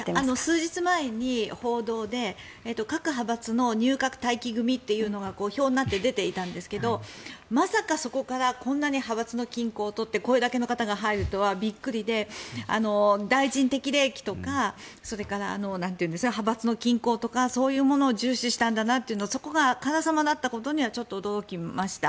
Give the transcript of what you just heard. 数日前に報道で各派閥の入閣待機組というのが表になって出ていたんですがまさか、そこからここまで派閥の均衡を取ってこれだけの方が入るとはびっくりで大臣適齢期とかそれから、派閥の均衡とかそういうものを重視したんだなというのがそこがあからさまだったことにはちょっと驚きました。